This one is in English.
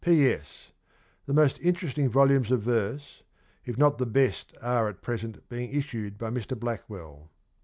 P.S. The most interesting lumes of verse. ... if not the best are at present being issued by Mr. Blackwell.